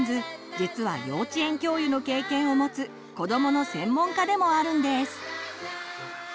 実は幼稚園教諭の経験をもつ子どもの専門家でもあるんです。